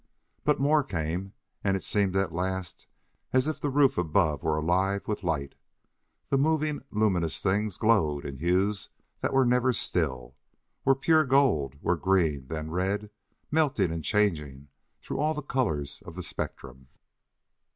But more came, and it seemed at last as if the roof above were alive with light. The moving, luminous things glowed in hues that were never still: were pure gold, were green, then red, melting and changing through all the colors of the spectrum.